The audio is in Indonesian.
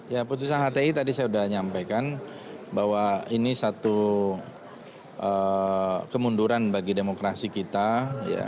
ya putusan hti tadi saya sudah nyampaikan bahwa ini satu kemunduran bagi demokrasi kita ya